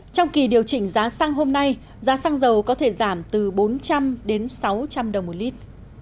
trong kỳ điều chỉnh giá xăng hôm nay giá xăng dầu có thể giảm từ bốn trăm linh đến sáu trăm linh đồng một lít